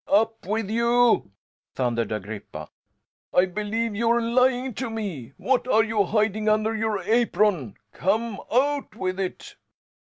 "Up with you!" thundered Agrippa. "I believe you're lying to me. What are you hiding under your apron? Come! Out with it!"